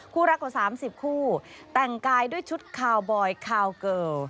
รักกว่า๓๐คู่แต่งกายด้วยชุดคาวบอยคาวเกิล